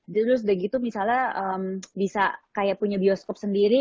terus udah gitu misalnya bisa kayak punya bioskop sendiri